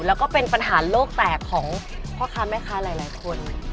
แล้วก็เป็นปัญหาโลกแตกของพ่อค้าแม่ค้าหลายคน